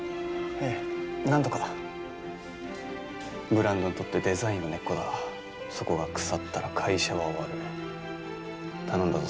ええなんとかブランドにとってデザインは根っこだそこが腐ったら会社は終わる頼んだぞ